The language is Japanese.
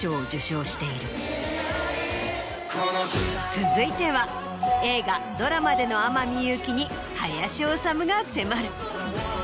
続いては映画ドラマでの天海祐希に林修が迫る。